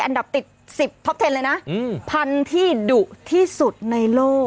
อันดับติด๑๐ท็อปเทนเลยนะพันธุ์ที่ดุที่สุดในโลก